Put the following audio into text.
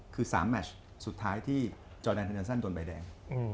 คือ๓แมทสุดท้ายที่จอดันไทยเนสซันโดนใบแดง